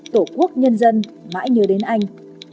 tổ quốc nhân dân mãi nhớ đến anh